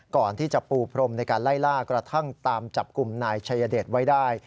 ก่อนที่จะปูพรมในการไล่ล่ากระทั่งตามจับกลุ่มนายชัยเดชไว้ได้